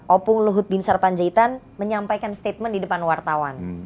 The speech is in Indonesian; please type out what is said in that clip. opung luhut bin sarpanjaitan menyampaikan statement di depan wartawan